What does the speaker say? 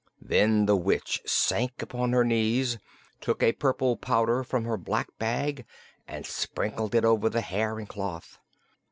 Then the witch sank upon her knees, took a purple powder from her black bag and sprinkled it over the hair and cloth.